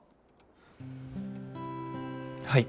はい。